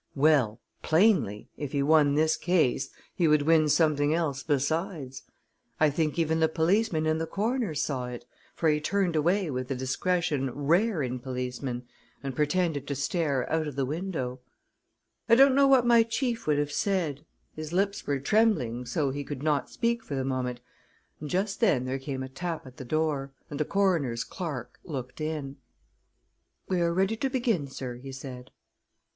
Well, plainly, if he won this case he would win something else besides. I think even the policeman in the corner saw it, for he turned away with a discretion rare in policemen, and pretended to stare out of the window. I don't know what my chief would have said his lips were trembling so he could not speak for the moment and just then there came a tap at the door, and the coroner's clerk looked in. "We're ready to begin, sir," he said.